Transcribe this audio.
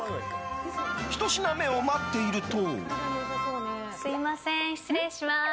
１品目を待っていると。